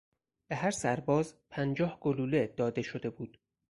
به هر سر باز پنجاه گلوله داده شده بود